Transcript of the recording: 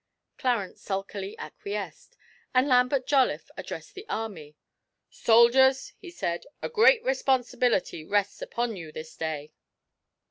Clarence sulkily acquiesced, and Lambert Jolliffe addressed the army: 'Soldiers,' he said, 'a great responsibility rests upon you this day.